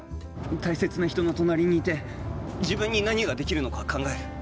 大切な人の隣にいて自分に何ができるか考える。